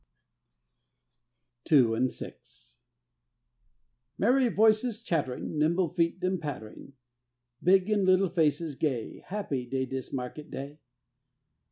TWO AN' SIX Merry voices chatterin', Nimble feet dem patterin', Big an' little, faces gay, Happy day dis market day.